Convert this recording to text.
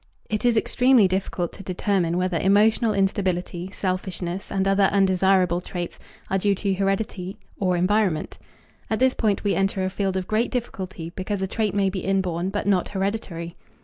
It is extremely difficult to determine whether emotional instability, selfishness, and other undesirable traits are due to heredity or environment. At this point we enter a field of great difficulty because a trait may be inborn, but not hereditary.